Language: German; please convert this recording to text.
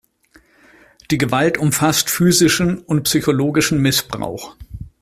Die Gewalt umfasst physischen und psychologischen Missbrauch.